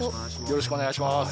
よろしくお願いします。